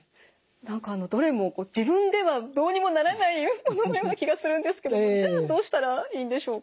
何かどれも自分ではどうにもならないもののような気がするんですけどもじゃあどうしたらいいんでしょうか？